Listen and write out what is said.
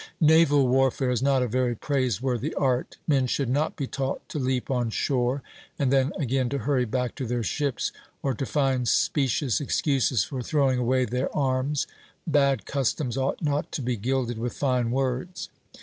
Naval warfare is not a very praiseworthy art; men should not be taught to leap on shore, and then again to hurry back to their ships, or to find specious excuses for throwing away their arms; bad customs ought not to be gilded with fine words.